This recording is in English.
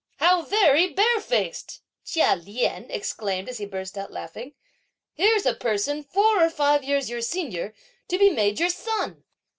"How very barefaced!" Chia Lien exclaimed as he burst out laughing; "here's a person four or five years your senior to be made your son!"